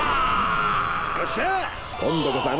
よっしゃあ！